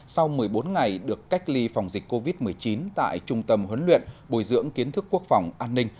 sau một mươi bốn ngày được cách ly phòng dịch covid một mươi chín tại trung tâm huấn luyện bồi dưỡng kiến thức quốc phòng an ninh